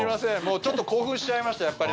ちょっと興奮しちゃいました。